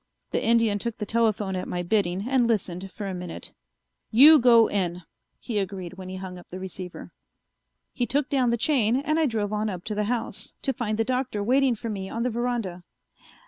The Indian took the telephone at my bidding and listened for a minute. "You go in," he agreed when he hung up the receiver. He took down the chain and I drove on up to the house, to find the Doctor waiting for me on the veranda.